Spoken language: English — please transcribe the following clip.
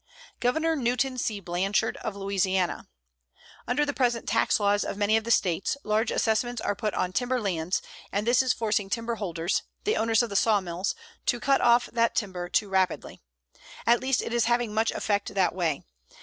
GOVERNOR NEWTON C. BLANCHARD, of Louisiana: Under the present tax laws of many of the States large assessments are put on timber lands, and this is forcing timber holders the owners of the sawmills to cut off that timber too rapidly. At least it is having much effect that way.